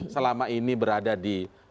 selama ini berada di